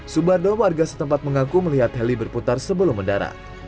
subardo warga setempat mengaku melihat heli berputar sebelum mendarat